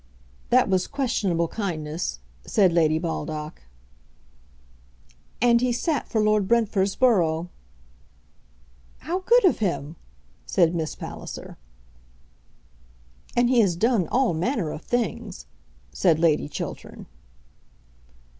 "That was questionable kindness," said Lady Baldock. "And he sat for Lord Brentford's borough." "How good of him!" said Miss Palliser. "And he has done all manner of things," said Lady Chiltern.